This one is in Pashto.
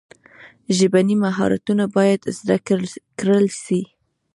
ژبني مهارتونه باید زده کړل سي.